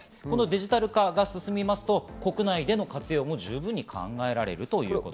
デジタル化が進みますと、国内での活用も十分に考えられるということです。